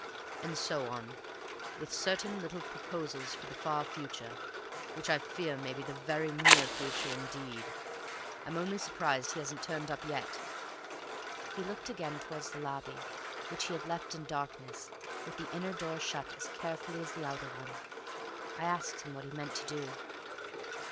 And so on, with certain little proposals for the far future, which I fear may be the very near future indeed! I'm only surprised he hasn't turned up yet." He looked again towards the lobby, which he had left in darkness, with the inner door shut as carefully as the outer one. I asked him what he meant to do.